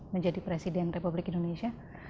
menjadi presiden republik indonesia